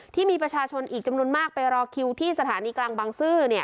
ที่มีประชาชนอีกจำนวนมากไปรอคิวที่สถานีกลางบางซื่อ